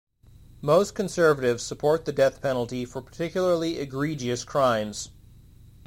Most conservatives support the death penalty for particularly egregious crimes.